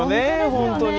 本当に。